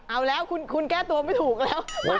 เอาแล้วคุณแก้ตัวไม่ถูกแล้ว